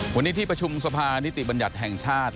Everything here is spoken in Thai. วันนี้ที่ประชุมสภานิติบัญญัติแห่งชาติ